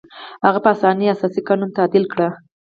هغه په اسانۍ اساسي قانون تعدیل کړ.